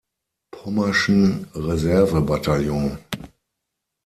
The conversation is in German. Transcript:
Pommerschen Reserve-Bataillon.